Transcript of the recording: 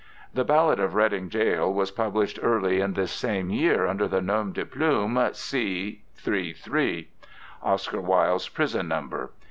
The Ballad of Reading Gaol was published early in this same year under the nom de plume 'C.3.3.,' Oscar Wilde's prison number.